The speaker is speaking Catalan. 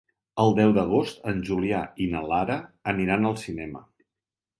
El deu d'agost en Julià i na Lara aniran al cinema.